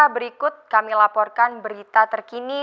berikut kami laporkan berita terkini